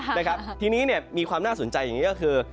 ด้วยครับทีนี้มีความน่าสนใจอย่างนี้ก็คือ